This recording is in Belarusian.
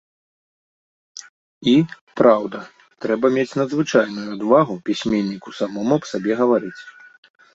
І, праўда, трэба мець надзвычайную адвагу пісьменніку самому аб сабе гаварыць.